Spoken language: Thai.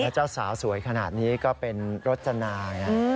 เจ้าสาวสวยขนาดนี้ก็เป็นรจนาย